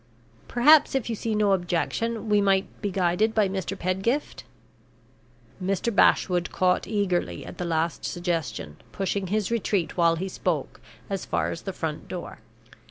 Perhaps, if you see no objection, we might be guided by Mr. Pedgift?" Mr. Bashwood caught eagerly at the last suggestion, pushing his retreat, while he spoke, as far as the front door.